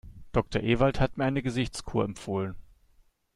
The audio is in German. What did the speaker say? Doktor Ewald hat mir eine Gesichtskur empfohlen.